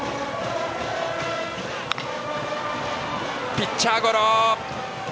ピッチャーゴロ。